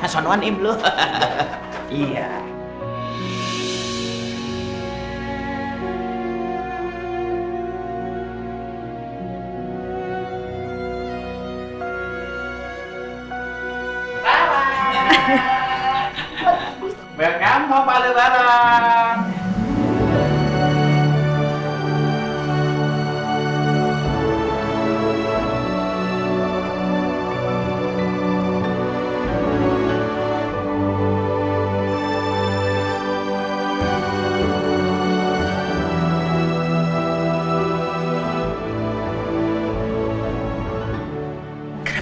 si u yang ngotot pake huruf k